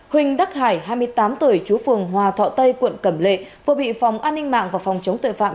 huỳnh đắc hải hai mươi tám tuổi chú phường hòa thọ tây quận cẩm lệ vừa bị phòng an ninh mạng và phòng chống tội phạm